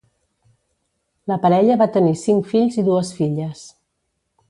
La parella va tenir cinc fills i dues filles.